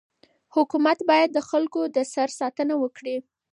حکومت باید د خلکو د سر ساتنه وکړي.